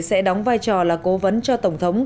sẽ đóng vai trò là cố vấn cho tổng thống